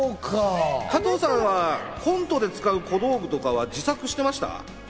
加藤さんはコントで使う小道具とかは自作してました？